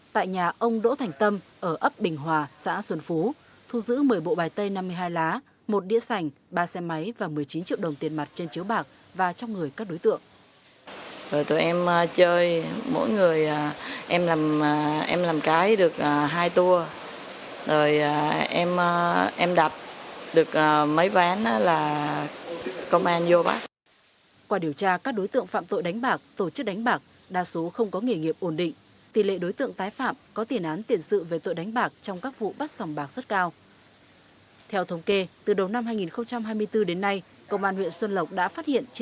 tại nhà ông đỗ công an xã xuân phú huyện xuân lập bắt quả tăng bảy đối tượng có tuổi đời từ hai mươi bốn đến sáu mươi đều ở huyện xuân lập